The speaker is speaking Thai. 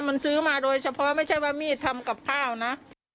มันซื้อมาโดยเฉพาะไม่ใช่ว่ามีดทำกับข้าวนะ